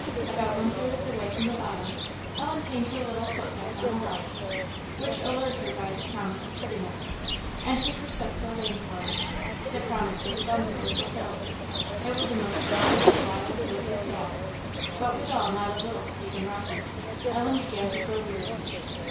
About one third of the way from the bottom, Ellen came to a little footpath on the left, which allured her by its promise of prettiness, and she forsook the lane for it. The promise was abundantly fulfilled; it was a most lovely, wild, woodway path; but withal not a little steep and rocky. Ellen began to grow weary.